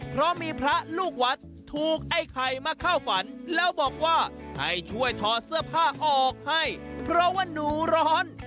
เพราะมีพระลูกวัดถูกไอ้ไข่มาเข้าฝันแล้วบอกว่าให้ช่วยถอดเสื้อผ้าออกให้เพราะว่าหนูร้อน